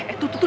eh tuh tuh tuh